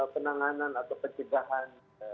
penanganan atau pencegahan